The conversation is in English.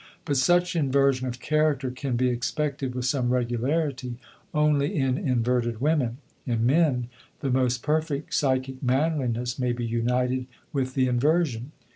But such inversion of character can be expected with some regularity only in inverted women; in men the most perfect psychic manliness may be united with the inversion.